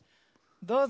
どうぞ。